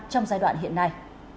trong giai đoạn hiện nay